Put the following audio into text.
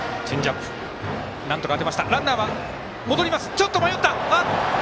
ちょっと迷った！